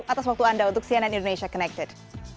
atas waktu anda untuk cnn indonesia connected